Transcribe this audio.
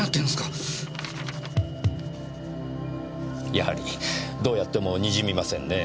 やはりどうやっても滲みませんねぇ。